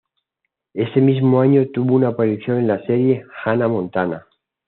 Ese mismo año tuvo una aparición en la serie "Hannah Montana".